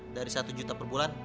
dari satu juta perbulan